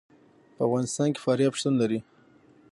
په افغانستان کې فاریاب شتون لري.